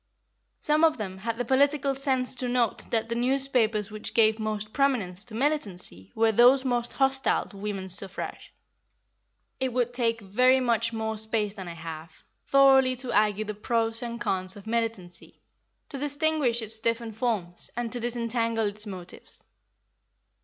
Some of them had the political sense to note that the newspapers which gave most prominence to militancy were those most hostile to women's suffrage. It would take very much more space than I have, thoroughly to argue the pros and cons of militancy, to distinguish its different forms, and to disentangle its motives.